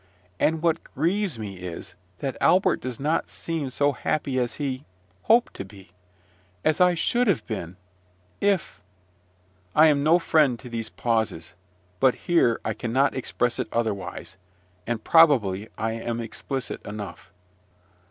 And what grieves me, is, that Albert does not seem so happy as he hoped to be as I should have been if I am no friend to these pauses, but here I cannot express it otherwise; and probably I am explicit enough.